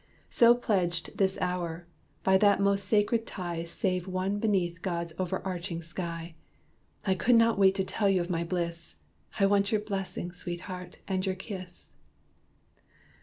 So pledged this hour, by that most sacred tie Save one beneath God's over arching sky. I could not wait to tell you of my bliss: I want your blessing, sweetheart! and your kiss."